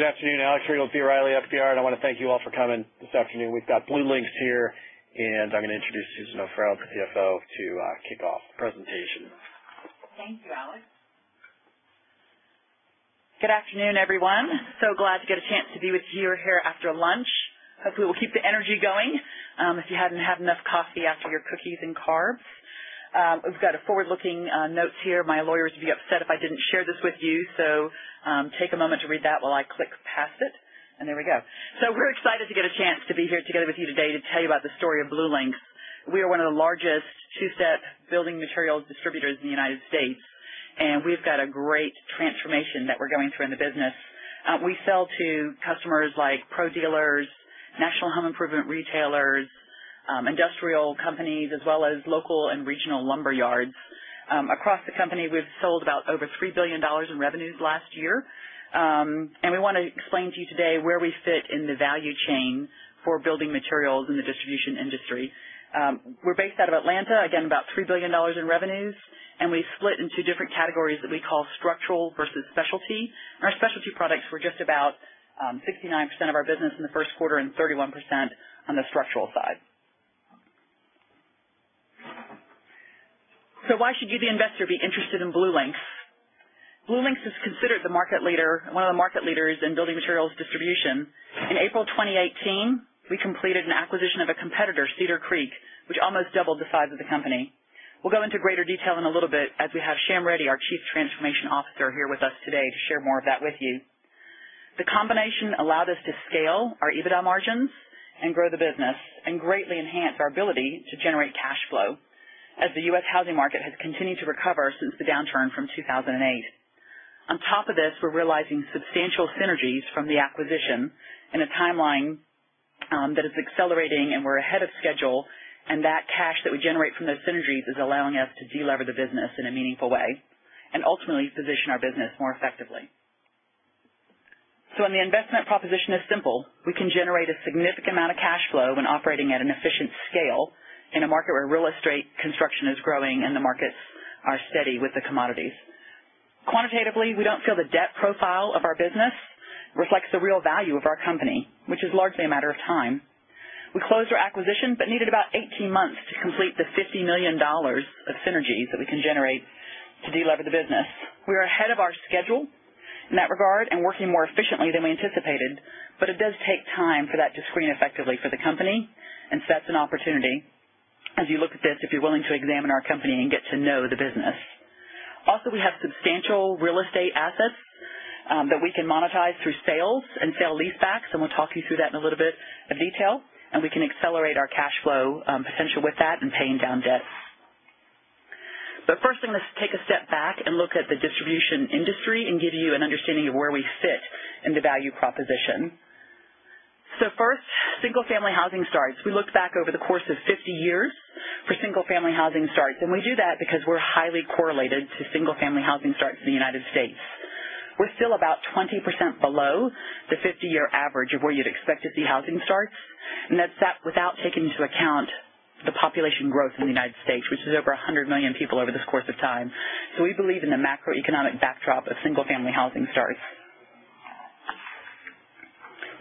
Good afternoon. Alex Reid with B. Riley FBR. I want to thank you all for coming this afternoon. We've got BlueLinx here, and I'm going to introduce Susan O'Farrell, the CFO, to kick off the presentation. Thank you, Alex. Good afternoon, everyone. Glad to get a chance to be with you here after lunch. Hopefully, we'll keep the energy going, if you haven't had enough coffee after your cookies and carbs. We've got a forward-looking notes here. My lawyers would be upset if I didn't share this with you, so take a moment to read that while I click past it. There we go. We're excited to get a chance to be here together with you today to tell you about the story of BlueLinx. We are one of the largest two-step building materials distributors in the U.S., and we've got a great transformation that we're going through in the business. We sell to customers like pro dealers, national home improvement retailers, industrial companies, as well as local and regional lumberyards. Across the company, we've sold about over $3 billion in revenues last year. We want to explain to you today where we fit in the value chain for building materials in the distribution industry. We're based out of Atlanta. Again, about $3 billion in revenues, and we split into different categories that we call structural versus specialty. Our specialty products were just about 69% of our business in the first quarter and 31% on the structural side. Why should you, the investor, be interested in BlueLinx? BlueLinx is considered one of the market leaders in building materials distribution. In April 2018, we completed an acquisition of a competitor, Cedar Creek, which almost doubled the size of the company. We'll go into greater detail in a little bit, as we have Shyam Reddy, our Chief Transformation Officer, here with us today to share more of that with you. The combination allowed us to scale our EBITDA margins and grow the business, greatly enhanced our ability to generate cash flow as the U.S. housing market has continued to recover since the downturn from 2008. On top of this, we're realizing substantial synergies from the acquisition in a timeline that is accelerating, and we're ahead of schedule. That cash that we generate from those synergies is allowing us to delever the business in a meaningful way, and ultimately position our business more effectively. The investment proposition is simple. We can generate a significant amount of cash flow when operating at an efficient scale in a market where real estate construction is growing and the markets are steady with the commodities. Quantitatively, we don't feel the debt profile of our business reflects the real value of our company, which is largely a matter of time. We closed our acquisition but needed about 18 months to complete the $50 million of synergies that we can generate to delever the business. We are ahead of our schedule in that regard and working more efficiently than we anticipated, it does take time for that to screen effectively for the company. That's an opportunity as you look at this, if you're willing to examine our company and get to know the business. Also, we have substantial real estate assets that we can monetize through sales and sale-leasebacks, we'll talk you through that in a little bit of detail, we can accelerate our cash flow potential with that and paying down debt. First thing, let's take a step back and look at the distribution industry and give you an understanding of where we fit in the value proposition. First, single-family housing starts. We looked back over the course of 50 years for single-family housing starts, we do that because we're highly correlated to single-family housing starts in the U.S. We're still about 20% below the 50-year average of where you'd expect to see housing starts, that's that without taking into account the population growth in the U.S., which is over 100 million people over this course of time. We believe in the macroeconomic backdrop of single-family housing starts.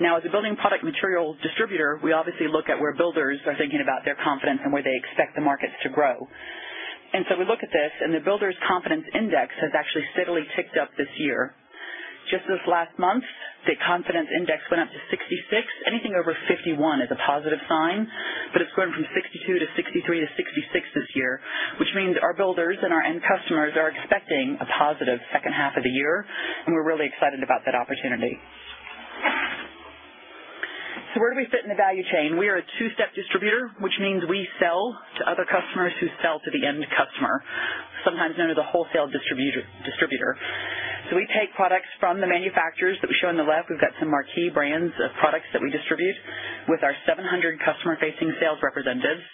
As a building product material distributor, we obviously look at where builders are thinking about their confidence and where they expect the markets to grow. We look at this, the Builders Confidence Index has actually steadily ticked up this year. Just this last month, the confidence index went up to 66. Anything over 51 is a positive sign. It's gone from 62 to 63 to 66 this year, which means our builders and our end customers are expecting a positive second half of the year, we're really excited about that opportunity. Where do we fit in the value chain? We are a two-step distributor, which means we sell to other customers who sell to the end customer, sometimes known as a wholesale distributor. We take products from the manufacturers that we show on the left. We've got some marquee brands of products that we distribute with our 700 customer-facing sales representatives,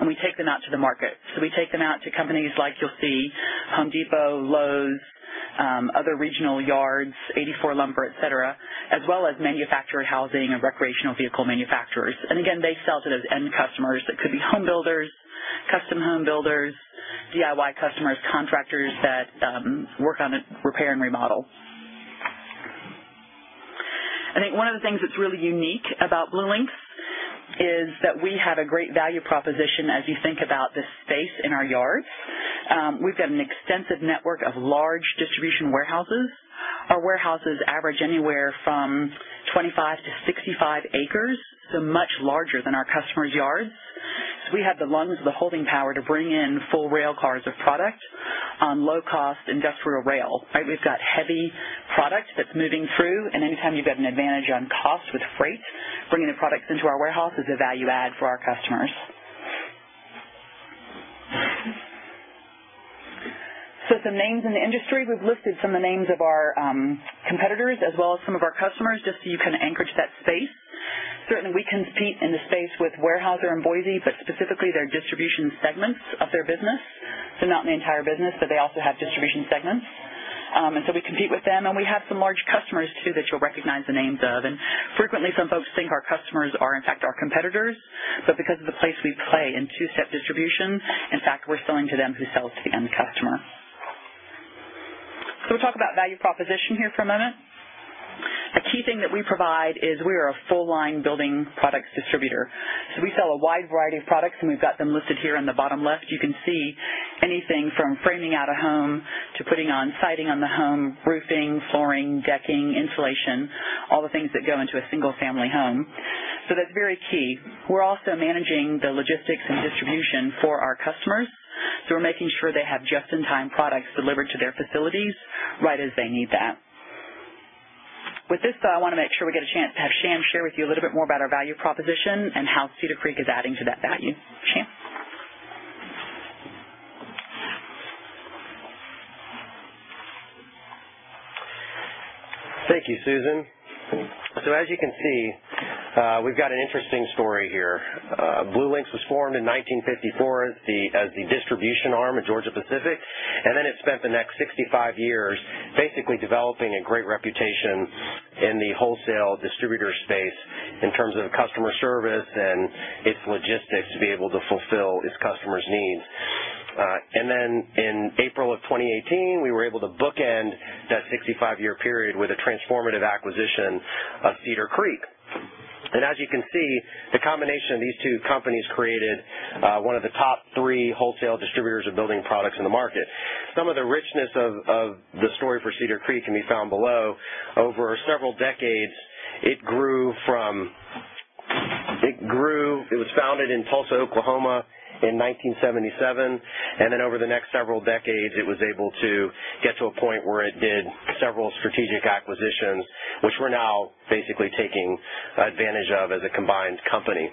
we take them out to the market. We take them out to companies like you'll see, The Home Depot, Lowe's, other regional yards, 84 Lumber, et cetera, as well as manufactured housing and recreational vehicle manufacturers. Again, they sell to those end customers. That could be home builders, custom home builders, DIY customers, contractors that work on repair and remodel. I think one of the things that's really unique about BlueLinx is that we have a great value proposition as you think about the space in our yards. We've got an extensive network of large distribution warehouses. Our warehouses average anywhere from 25 to 65 acres, so much larger than our customers' yards. We have the lungs, the holding power to bring in full rail cars of product on low-cost industrial rail. We've got heavy product that's moving through, anytime you've got an advantage on cost with freight, bringing the products into our warehouse is a value add for our customers. Some names in the industry. We've listed some of the names of our competitors as well as some of our customers, just so you can anchor that space. Certainly, we compete in the space with Weyerhaeuser and Boise, but specifically their distribution segments of their business. Not in the entire business, but they also have distribution segments. We compete with them, and we have some large customers, too, that you'll recognize the names of. Frequently, some folks think our customers are, in fact, our competitors, but because of the place we play in two-step distribution, in fact, we're selling to them who sell to the end customer. We'll talk about value proposition here for a moment. A key thing that we provide is we are a full line building products distributor. We sell a wide variety of products, and we've got them listed here in the bottom left. You can see anything from framing out a home to putting on siding on the home, roofing, flooring, decking, insulation, all the things that go into a single family home. That's very key. We're also managing the logistics and distribution for our customers. We're making sure they have just-in-time products delivered to their facilities right as they need that. With this, I want to make sure we get a chance to have Shyam share with you a little bit more about our value proposition and how Cedar Creek is adding to that value. Shyam? Thank you, Susan. As you can see, we've got an interesting story here. BlueLinx was formed in 1954 as the distribution arm of Georgia-Pacific, and then it spent the next 65 years basically developing a great reputation in the wholesale distributor space in terms of customer service and its logistics to be able to fulfill its customers' needs. In April of 2018, we were able to bookend that 65-year period with a transformative acquisition of Cedar Creek. As you can see, the combination of these two companies created one of the top three wholesale distributors of building products in the market. Some of the richness of the story for Cedar Creek can be found below. Over several decades, it was founded in Tulsa, Oklahoma in 1977, and then over the next several decades, it was able to get to a point where it did several strategic acquisitions, which we're now basically taking advantage of as a combined company.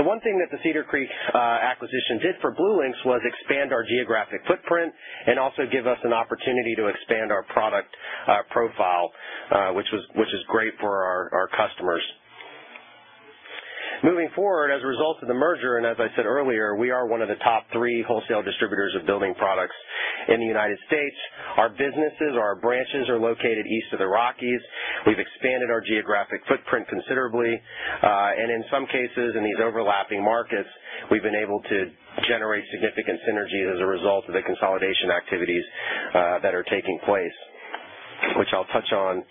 The one thing that the Cedar Creek acquisition did for BlueLinx was expand our geographic footprint and also give us an opportunity to expand our product profile, which is great for our customers. Moving forward, as a result of the merger, and as I said earlier, we are one of the top three wholesale distributors of building products in the U.S. Our businesses, our branches are located east of the Rockies. We've expanded our geographic footprint considerably. In some cases, in these overlapping markets, we've been able to generate significant synergies as a result of the consolidation activities that are taking place, which I'll touch on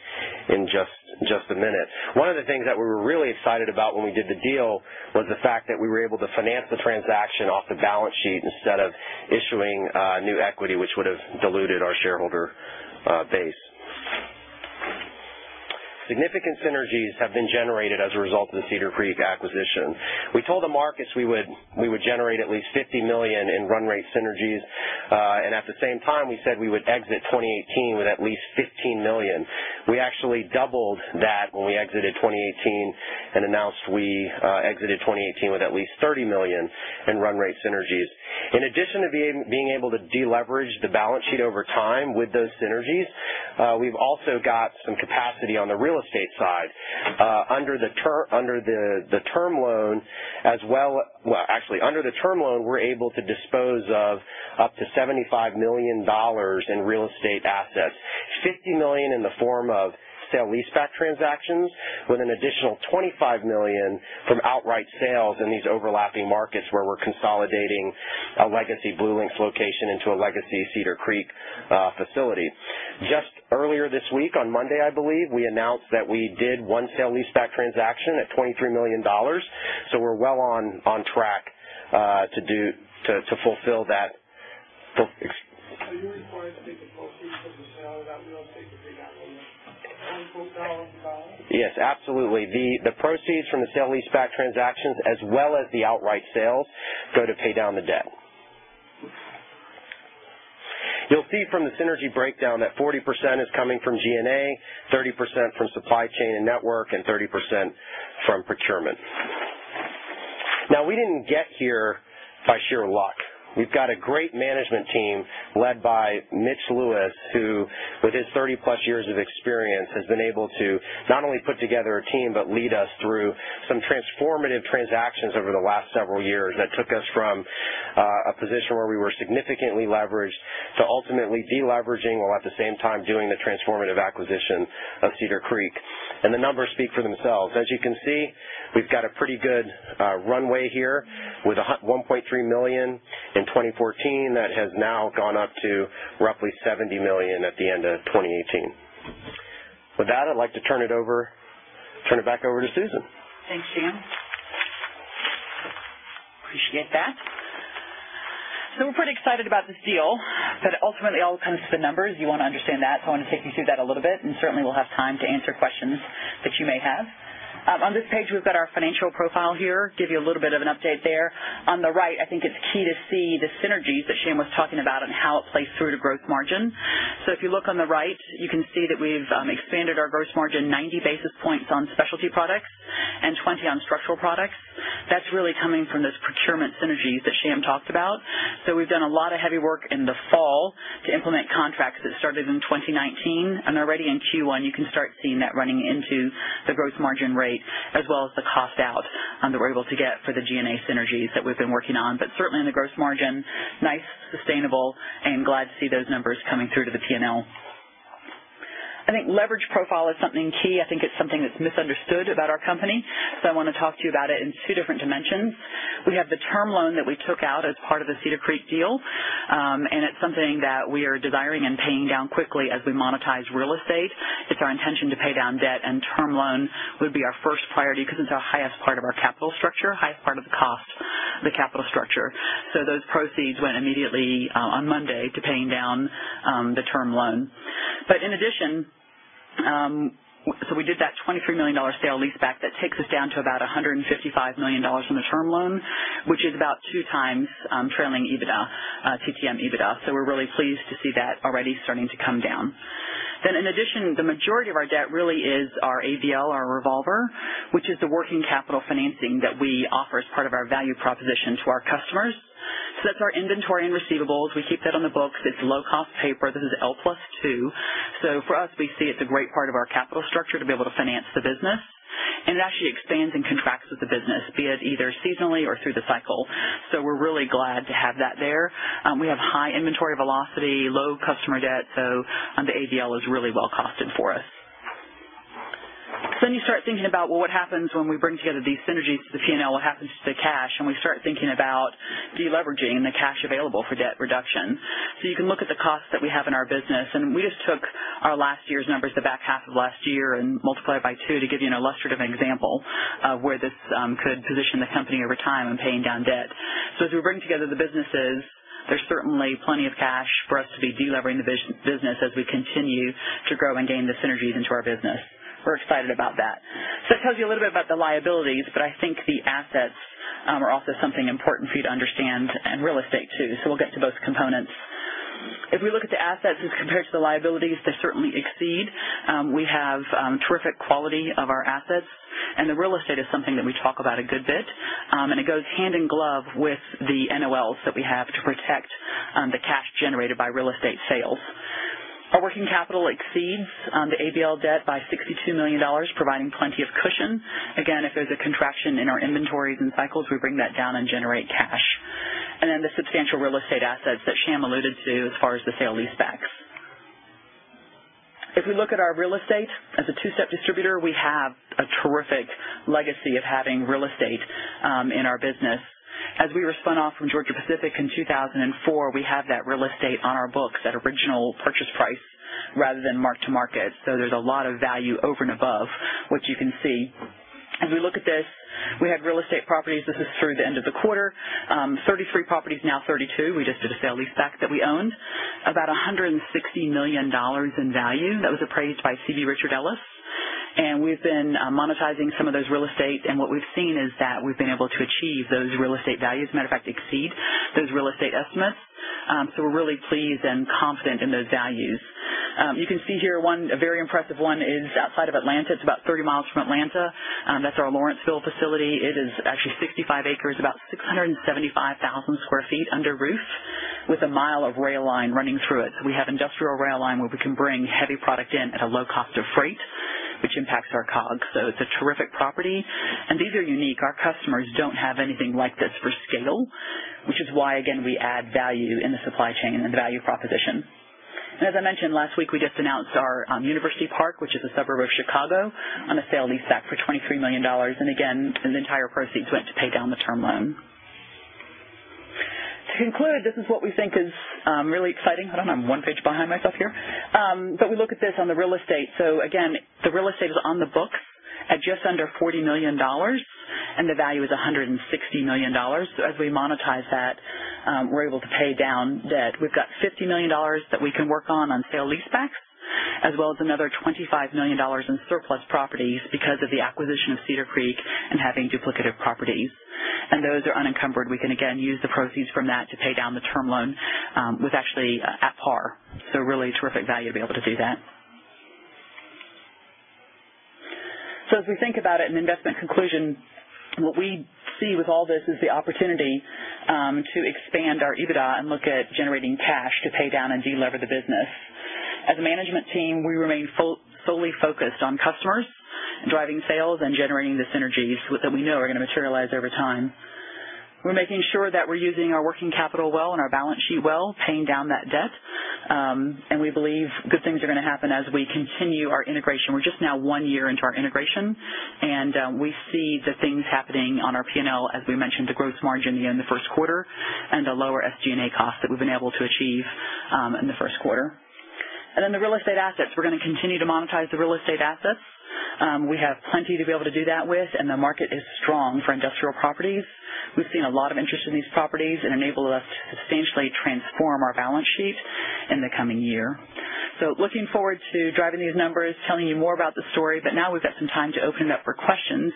in just a minute. One of the things that we were really excited about when we did the deal was the fact that we were able to finance the transaction off the balance sheet instead of issuing new equity, which would have diluted our shareholder base. Significant synergies have been generated as a result of the Cedar Creek acquisition. We told the markets we would generate at least $50 million in run rate synergies. At the same time, we said we would exit 2018 with at least $15 million. We actually doubled that when we exited 2018 and announced we exited 2018 with at least $30 million in run rate synergies. In addition to being able to de-leverage the balance sheet over time with those synergies, we've also got some capacity on the real estate side. Under the term loan, we're able to dispose of up to $75 million in real estate assets, $50 million in the form of sale-leaseback transactions, with an additional $25 million from outright sales in these overlapping markets where we're consolidating a legacy BlueLinx location into a legacy Cedar Creek facility. Just earlier this week, on Monday, I believe, we announced that we did one sale-leaseback transaction at $23 million. We're well on track to fulfill that. Are you required to take the proceeds of the sale of that real estate to pay down the debt? Yes, absolutely. The proceeds from the sale-leaseback transactions, as well as the outright sales, go to pay down the debt. You'll see from the synergy breakdown that 40% is coming from G&A, 30% from supply chain and network, and 30% from procurement. We didn't get here by sheer luck. We've got a great management team led by Mitch Lewis, who with his 30-plus years of experience, has been able to not only put together a team, but lead us through some transformative transactions over the last several years that took us from a position where we were significantly leveraged to ultimately de-leveraging while at the same time doing the transformative acquisition of Cedar Creek. The numbers speak for themselves. As you can see, we've got a pretty good runway here with $1.3 million in 2014. That has now gone up to roughly $70 million at the end of 2018. With that, I'd like to turn it back over to Susan. Thanks, Shyam. Appreciate that. We're pretty excited about this deal, ultimately, it all comes to the numbers. You want to understand that, I want to take you through that a little bit, and certainly we'll have time to answer questions that you may have. On this page, we've got our financial profile here, give you a little bit of an update there. On the right, I think it's key to see the synergies that Shyam was talking about and how it plays through to gross margin. If you look on the right, you can see that we've expanded our gross margin 90 basis points on specialty products and 20 on structural products. That's really coming from those procurement synergies that Shyam talked about. We've done a lot of heavy work in the fall to implement contracts that started in 2019, already in Q1, you can start seeing that running into the gross margin rate, as well as the cost out that we're able to get for the G&A synergies that we've been working on. Certainly in the gross margin, nice, sustainable, and glad to see those numbers coming through to the P&L. I think leverage profile is something key. I think it's something that's misunderstood about our company. I want to talk to you about it in two different dimensions. We have the term loan that we took out as part of the Cedar Creek deal, it's something that we are desiring and paying down quickly as we monetize real estate. It's our intention to pay down debt, term loan would be our first priority because it's our highest part of our capital structure, highest part of the cost of the capital structure. Those proceeds went immediately on Monday to paying down the term loan. We did that $23 million sale-leaseback. That takes us down to about $155 million from the term loan, which is about two times trailing EBITDA, TTM EBITDA. We're really pleased to see that already starting to come down. In addition, the majority of our debt really is our ABL, our revolver, which is the working capital financing that we offer as part of our value proposition to our customers. That's our inventory and receivables. We keep that on the books. It's low-cost paper. This is L plus two. For us, we see it's a great part of our capital structure to be able to finance the business, and it actually expands and contracts with the business, be it either seasonally or through the cycle. We're really glad to have that there. We have high inventory velocity, low customer debt, so the ABL is really well-costed for us. You start thinking about, well, what happens when we bring together these synergies to the P&L? What happens to the cash? We start thinking about de-leveraging the cash available for debt reduction. You can look at the costs that we have in our business, and we just took our last year's numbers, the back half of last year, and multiplied by 2 to give you an illustrative example of where this could position the company over time in paying down debt. As we bring together the businesses, there's certainly plenty of cash for us to be de-levering the business as we continue to grow and gain the synergies into our business. We're excited about that. That tells you a little bit about the liabilities, but I think the assets are also something important for you to understand, and real estate too. We'll get to both components. If we look at the assets as compared to the liabilities, they certainly exceed. We have terrific quality of our assets, and the real estate is something that we talk about a good bit. It goes hand in glove with the NOLs that we have to protect the cash generated by real estate sales. Our working capital exceeds the ABL debt by $62 million, providing plenty of cushion. Again, if there's a contraction in our inventories and cycles, we bring that down and generate cash. The substantial real estate assets that Shyam alluded to as far as the sale-leasebacks. If we look at our real estate as a two-step distributor, we have a terrific legacy of having real estate in our business. As we were spun off from Georgia-Pacific in 2004, we have that real estate on our books at original purchase price rather than mark to market. There's a lot of value over and above what you can see. As we look at this, we have real estate properties. This is through the end of the quarter. 33 properties, now 32. We just did a sale-leaseback that we owned. About $160 million in value. That was appraised by CB Richard Ellis. We've been monetizing some of those real estate, and what we've seen is that we've been able to achieve those real estate values. As a matter of fact, exceed those real estate estimates. We're really pleased and confident in those values. You can see here a very impressive one is outside of Atlanta. It's about 30 miles from Atlanta. That's our Lawrenceville facility. It is actually 65 acres, about 675,000 sq ft under roof with a mile of rail line running through it. We have industrial rail line where we can bring heavy product in at a low cost of freight, which impacts our COGS. It's a terrific property, and these are unique. Our customers don't have anything like this for scale, which is why, again, we add value in the supply chain and the value proposition. As I mentioned, last week, we just announced our University Park, which is a suburb of Chicago, on a sale-leaseback for $23 million. Again, the entire proceeds went to pay down the term loan. To conclude, this is what we think is really exciting. Hold on, I'm one page behind myself here. We look at this on the real estate. Again, the real estate is on the books at just under $40 million, and the value is $160 million. As we monetize that, we're able to pay down debt. We've got $50 million that we can work on sale-leasebacks, as well as another $25 million in surplus properties because of the acquisition of Cedar Creek and having duplicative properties. Those are unencumbered. We can again use the proceeds from that to pay down the term loan with actually at par. Really terrific value to be able to do that. As we think about it in investment conclusion, what we see with all this is the opportunity to expand our EBITDA and look at generating cash to pay down and de-lever the business. As a management team, we remain fully focused on customers, driving sales, and generating the synergies that we know are going to materialize over time. We're making sure that we're using our working capital well and our balance sheet well, paying down that debt. We believe good things are going to happen as we continue our integration. We're just now one year into our integration, and we see the things happening on our P&L, as we mentioned, the gross margin in the first quarter and the lower SG&A cost that we've been able to achieve in the first quarter. Then the real estate assets. We're going to continue to monetize the real estate assets. We have plenty to be able to do that with, and the market is strong for industrial properties. We've seen a lot of interest in these properties and enable us to substantially transform our balance sheet in the coming year. Looking forward to driving these numbers, telling you more about the story, but now we've got some time to open it up for questions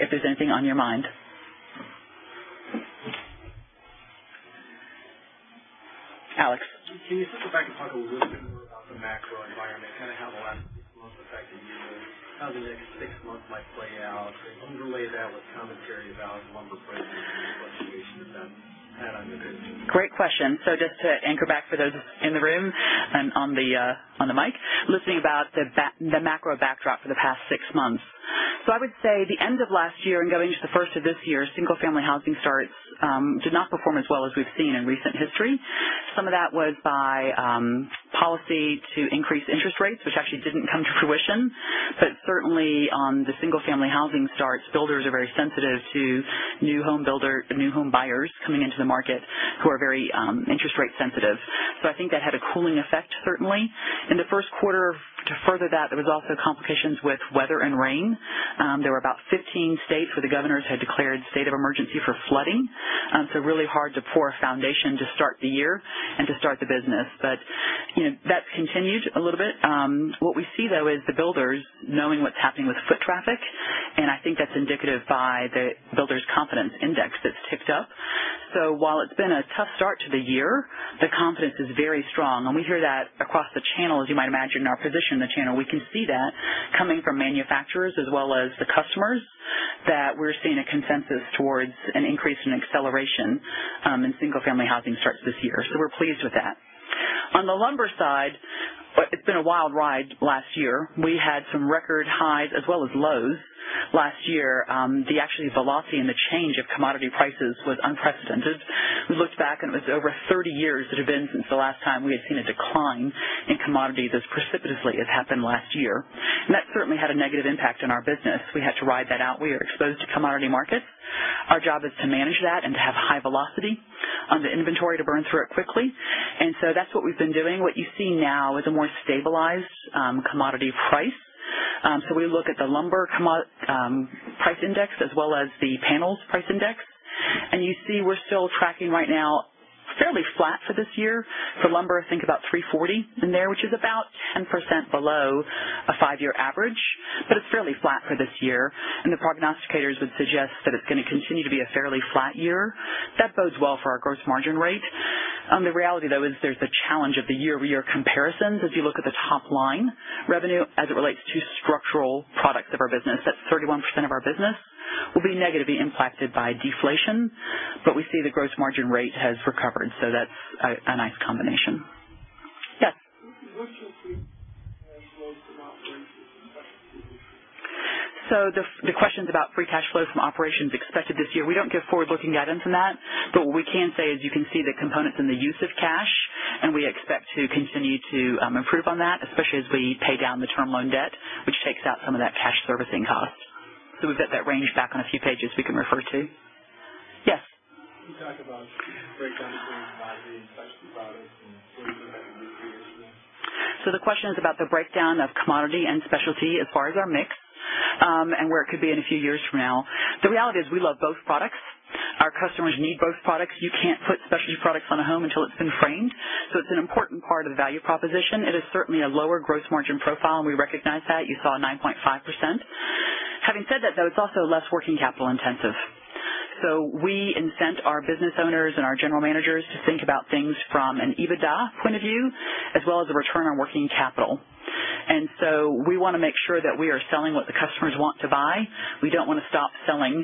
if there's anything on your mind. Alex. Can you just go back and talk a little bit more about the macro environment, kind of how the last six months affected you, but how the next six months might play out, and overlay that with commentary about lumber prices and the fluctuation of that and on your business? Great question. Just to anchor back for those in the room and on the mic, listening about the macro backdrop for the past six months. I would say the end of last year and going into the first of this year, single-family housing starts did not perform as well as we've seen in recent history. Some of that was by policy to increase interest rates, which actually didn't come to fruition. Certainly, on the single-family housing starts, builders are very sensitive to new home buyers coming into the market who are very interest rate sensitive. I think that had a cooling effect, certainly. In the first quarter, to further that, there was also complications with weather and rain. There were about 15 states where the governors had declared a state of emergency for flooding. Really hard to pour a foundation to start the year and to start the business. That's continued a little bit. What we see, though, is the builders knowing what's happening with foot traffic, and I think that's indicative by the builders confidence index that's ticked up. While it's been a tough start to the year, the confidence is very strong, and we hear that across the channel, as you might imagine, our position in the channel. We can see that coming from manufacturers as well as the customers, that we're seeing a consensus towards an increase in acceleration in single-family housing starts this year. We're pleased with that. On the lumber side, it's been a wild ride the last year. We had some record highs as well as lows last year. Actually, the velocity and the change of commodity prices was unprecedented. We looked back, and it was over 30 years it had been since the last time we had seen a decline in commodities as precipitously as happened last year. That certainly had a negative impact on our business. We had to ride that out. We are exposed to commodity markets. Our job is to manage that and to have high velocity on the inventory to burn through it quickly. That's what we've been doing. What you see now is a more stabilized commodity price. We look at the lumber price index as well as the panels price index. You see we're still tracking right now fairly flat for this year. For lumber, think about 340 in there, which is about 10% below a five-year average, but it's fairly flat for this year. The prognosticators would suggest that it's going to continue to be a fairly flat year. That bodes well for our gross margin rate. The reality, though, is there's the challenge of the year-over-year comparisons. If you look at the top line revenue as it relates to structural products of our business, that's 31% of our business will be negatively impacted by deflation. We see the gross margin rate has recovered, that's a nice combination. Yes. What's your free cash flows from operations expected this year? The question's about free cash flows from operations expected this year. We don't give forward-looking guidance on that, but what we can say is you can see the components in the use of cash, and we expect to continue to improve on that, especially as we pay down the term loan debt, which takes out some of that cash servicing cost. We've got that range back on a few pages we can refer to. Yes. Can you talk about breakdown between commodity and specialty products and where you go ahead in a few years from now? The question is about the breakdown of commodity and specialty as far as our mix, and where it could be in a few years from now. The reality is we love both products. Our customers need both products. You can't put specialty products on a home until it's been framed. It's an important part of the value proposition. It is certainly a lower gross margin profile, and we recognize that. You saw 9.5%. Having said that, though, it's also less working capital intensive. We incent our business owners and our general managers to think about things from an EBITDA point of view, as well as a return on working capital. We want to make sure that we are selling what the customers want to buy. We don't want to stop selling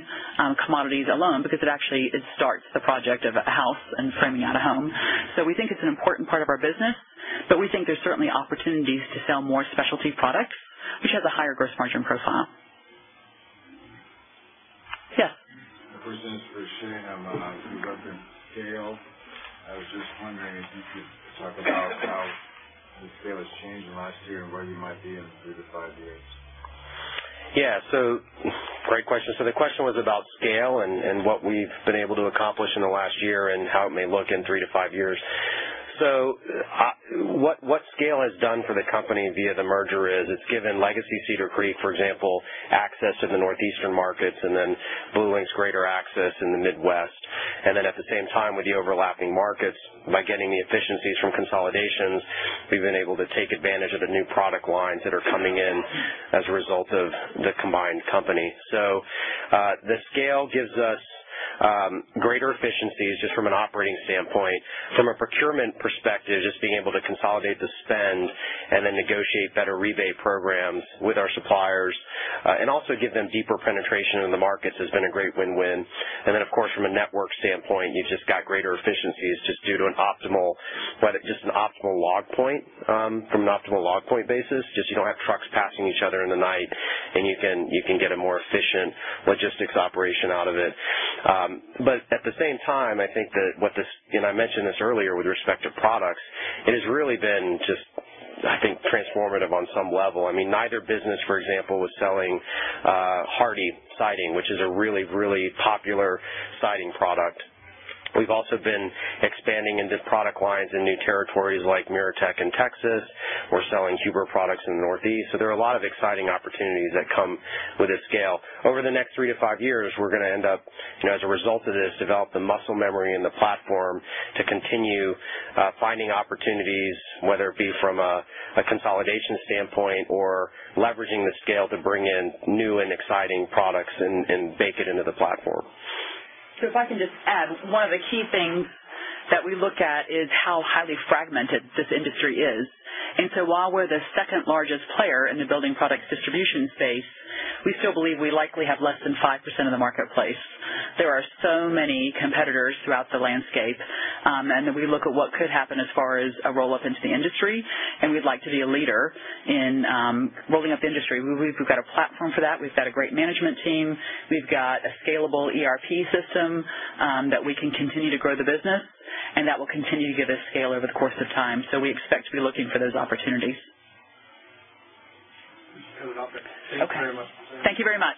commodities alone because it actually starts the project of a house and framing out a home. We think it's an important part of our business, but we think there's certainly opportunities to sell more specialty products, which has a higher gross margin profile. Yes. For instance, for Shyam on the construction scale, I was just wondering if you could talk about how the scale has changed in the last year and where you might be in three to five years. Great question. The question was about scale and what we've been able to accomplish in the last year and how it may look in three to five years. What scale has done for the company via the merger is it's given Legacy Cedar Creek, for example, access to the northeastern markets and then BlueLinx greater access in the Midwest. At the same time, with the overlapping markets, by getting the efficiencies from consolidations, we've been able to take advantage of the new product lines that are coming in as a result of the combined company. The scale gives us greater efficiencies just from an operating standpoint. From a procurement perspective, just being able to consolidate the spend and then negotiate better rebate programs with our suppliers, and also give them deeper penetration in the markets has been a great win-win. Of course, from a network standpoint, you've just got greater efficiencies just due to an optimal log point from an optimal log point basis. You don't have trucks passing each other in the night, and you can get a more efficient logistics operation out of it. At the same time, I think that what this, and I mentioned this earlier with respect to products, it has really been just, I think, transformative on some level. Neither business, for example, was selling Hardie Siding, which is a really, really popular siding product. We've also been expanding into product lines in new territories like MiraTEC in Texas. We're selling Huber products in the Northeast. There are a lot of exciting opportunities that come with this scale. Over the next three to five years, we're going to end up, as a result of this, develop the muscle memory and the platform to continue finding opportunities, whether it be from a consolidation standpoint or leveraging the scale to bring in new and exciting products and bake it into the platform. If I can just add, one of the key things that we look at is how highly fragmented this industry is. While we're the second largest player in the building products distribution space, we still believe we likely have less than 5% of the marketplace. There are so many competitors throughout the landscape, then we look at what could happen as far as a roll-up into the industry, we'd like to be a leader in rolling up the industry. We've got a platform for that. We've got a great management team. We've got a scalable ERP system that we can continue to grow the business, that will continue to give us scale over the course of time. We expect to be looking for those opportunities. That was all for me. Thank you very much.